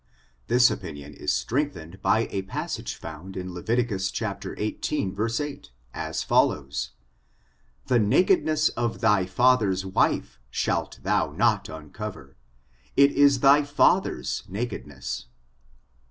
This opinion is strengthened by a passage found in Levit. xviii, 8, as follows : "The nakedness of thy father's wife shalt thou not uncover : it is thy father^s nakedness."